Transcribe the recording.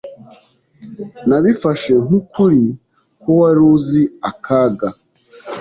Nabifashe nk'ukuri ko wari uzi akaga.